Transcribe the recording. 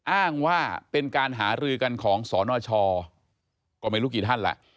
อ้างว่าเป็นการหารือกันของสนชก็ไม่รู้กี่ท่านแหละ